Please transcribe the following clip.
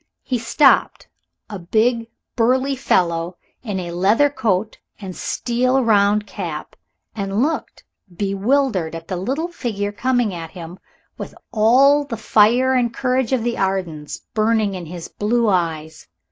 He stopped, a big, burly fellow in a leathern coat and steel round cap, and looked, bewildered, at the little figure coming at him with all the fire and courage of the Ardens burning in his blue eyes.